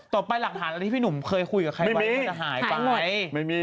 ไปหลักฐานอะไรที่พี่หนุ่มเคยคุยกับใครไว้มันจะหายไปไหม